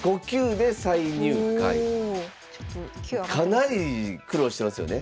かなり苦労してますよね。